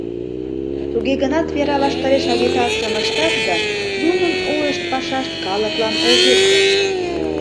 Туге гынат вера ваштареш агитацийым ыштат да нунын ойышт, пашашт калыклан огеш келше.